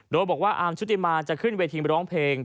โดยบอกว่าอาร์มชุติมาจะขึ้นเวทีร้องเพลง